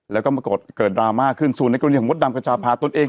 แล้วก็เกิดดราม่าขึ้นศูนย์ในกรณีหมดดำกับชาพภาตนเอง